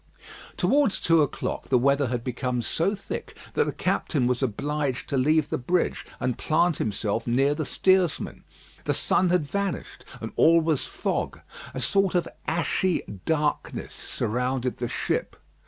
Towards two o'clock the weather had become so thick that the captain was obliged to leave the bridge, and plant himself near the steersman. The sun had vanished, and all was fog. A sort of ashy darkness surrounded the ship.